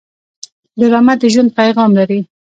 ډرامه د ژوند پیغام لري